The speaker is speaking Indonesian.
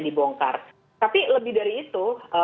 dibongkar tapi lebih dari itu